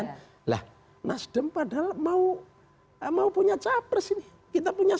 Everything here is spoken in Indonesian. nah nasdem padahal mau punya capres ini